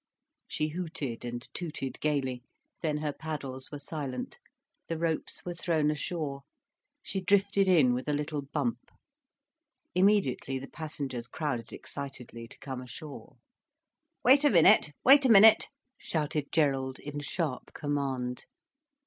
She hooted and tooted gaily, then her paddles were silent, the ropes were thrown ashore, she drifted in with a little bump. Immediately the passengers crowded excitedly to come ashore. "Wait a minute, wait a minute," shouted Gerald in sharp command.